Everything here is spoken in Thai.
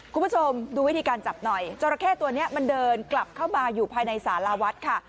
คุณผู้ชมดูวิธีการจับหน่อยจราเข้ตัวนี้มันเดินกลับเข้ามาอยู่ภายในสาราวัดค่ะ